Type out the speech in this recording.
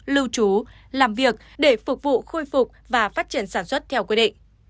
lưu trú làm việc để phục vụ khôi phục và phát triển sản xuất theo quy định